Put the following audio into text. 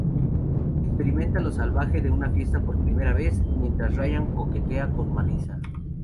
Experimenta lo salvaje de una fiesta por primera vez, mientras Ryan coquetea con Marissa.